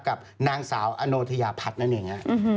กับนางสาวอโนทยาพัทนั่นเอง